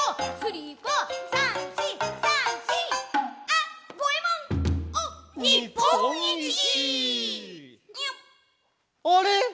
「あれ！